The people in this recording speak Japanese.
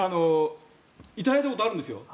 いただいたことあるんです。